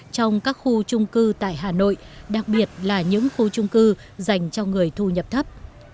trong các khu trung cư tại hà nội đặc biệt là những khu trung cư dành cho người thu nhập thấp